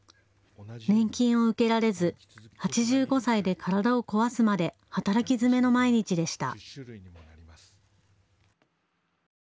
年金を受けられず８５歳で体を壊すまで働きづめの毎日でした。